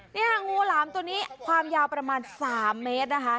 นี่ค่ะงูหลามตัวนี้ความยาวประมาณ๓เมตรนะคะ